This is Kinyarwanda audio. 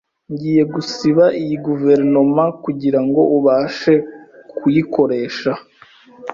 Ngiye gusiba iyi guverinoma kugirango ubashe kuyikoresha.